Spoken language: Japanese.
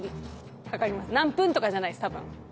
何分とかじゃないです多分。